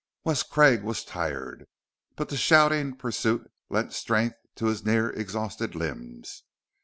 Wes Craig was tired, but the shouting pursuit lent strength to his near exhausted limbs.